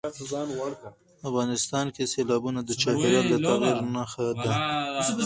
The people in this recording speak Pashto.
افغانستان کې سیلابونه د چاپېریال د تغیر نښه ده.